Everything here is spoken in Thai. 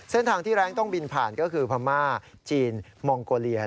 เส้นทางที่แรงต้องบินผ่านก็คือพม่าจีนมองโกเลีย